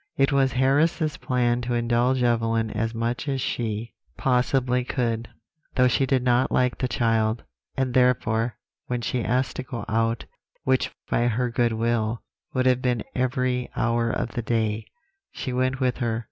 "It was Harris's plan to indulge Evelyn as much as she possibly could, though she did not like the child; and therefore, when she asked to go out, which, by her goodwill, would have been every hour of the day, she went with her.